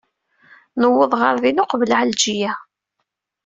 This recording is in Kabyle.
Nuweḍ ɣer din uqbel Ɛelǧiya.